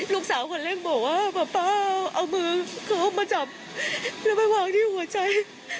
ลูกสาวอ่ะเล่นบอกว่าพ่อเป้าเอามือเข้ามาจำไปวางที่หัวใจ